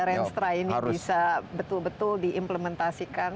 renstra ini bisa betul betul diimplementasikan